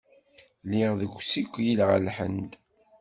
Lliɣ deg usikel ɣer Lhend.